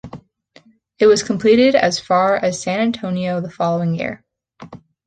It was completed as far as San Antonio the following year.